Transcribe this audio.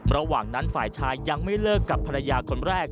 ระหว่างนั้นฝ่ายชายยังไม่เลิกกับภรรยาคนแรก